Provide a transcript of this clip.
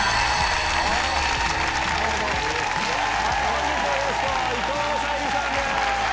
本日のゲスト伊藤沙莉さんです。